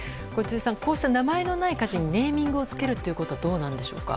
辻さん、こうした名前のない家事にネーミングをつけるのはどうなんでしょうか。